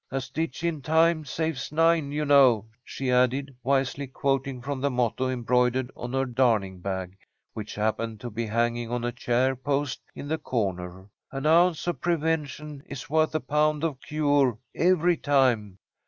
'A stitch in time saves nine,' you know," she added, wisely, quoting from the motto embroidered on her darning bag, which happened to be hanging on a chair post in the corner. "'An ounce of prevention is worth a pound of cure' every time."